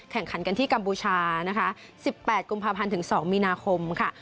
แข่งขันกันที่กัมพูชานะคะ๑๘กุมภาพันธ์ถึง๒มีนาคมค่ะ